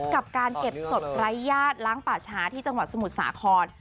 กับการเก็บสดไร้ญาติล้างป่าช้าที่จังหวัดสมุทรสาคร